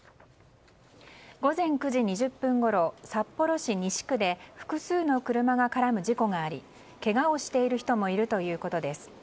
午前９時２０分ごろ札幌市西区で複数の車が絡む事故がありけがをしている人もいるということです。